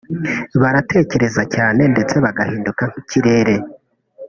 Baratekereza cyane ndetse bagahinduka nk’ikirere